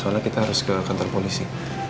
soalnya kita harus ke kantor polisi